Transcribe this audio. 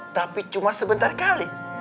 tapi cuma sebentar kali